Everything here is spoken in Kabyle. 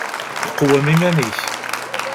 Qwem iman-ik.